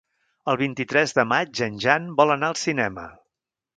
El vint-i-tres de maig en Jan vol anar al cinema.